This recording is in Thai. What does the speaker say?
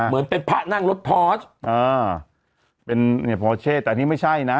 เหมือนเป็นพระนั่งรถพอร์สอ่าเป็นเนี่ยพอเช่แต่อันนี้ไม่ใช่นะ